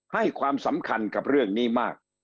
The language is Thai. ให้ความสำคัญกับเรื่องนี้มาก